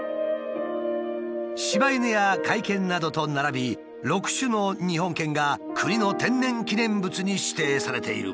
柴犬や甲斐犬などと並び６種の日本犬が国の天然記念物に指定されている。